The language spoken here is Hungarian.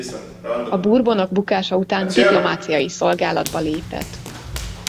A Bourbonok bukása után diplomáciai szolgálatba lépett.